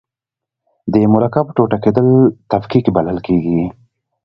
د مرکب ټوټه کیدل تفکیک بلل کیږي.